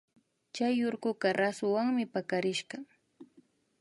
Chay urkuka rasuwanmi pakarishka